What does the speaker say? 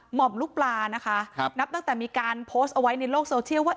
หมอมลูกปลานะคะนับตั้งแต่มีการโพสต์เอาไว้ในโลกโซเชียลว่า